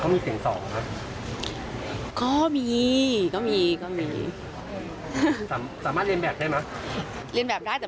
หลุดบ้างเขาก็จะแอ๊ะอย่านะ